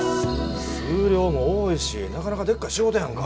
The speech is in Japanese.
数量も多いしなかなかでっかい仕事やんか。